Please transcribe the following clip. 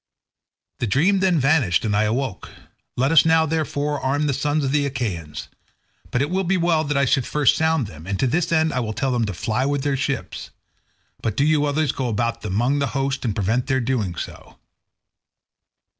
The dream then vanished and I awoke. Let us now, therefore, arm the sons of the Achaeans. But it will be well that I should first sound them, and to this end I will tell them to fly with their ships; but do you others go about among the host and prevent their doing so."